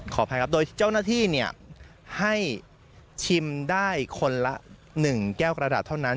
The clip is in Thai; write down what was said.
ขออภัยครับโดยเจ้าหน้าที่ให้ชิมได้คนละ๑แก้วกระดาษเท่านั้น